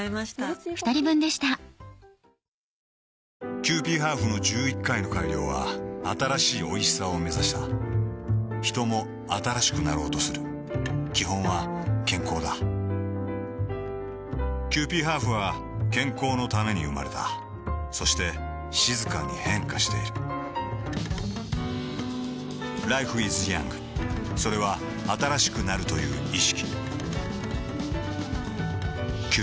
キユーピーハーフの１１回の改良は新しいおいしさをめざしたヒトも新しくなろうとする基本は健康だキユーピーハーフは健康のために生まれたそして静かに変化しているＬｉｆｅｉｓｙｏｕｎｇ．それは新しくなるという意識